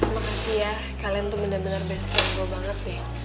makasih ya kalian tuh bener bener best friend gue banget deh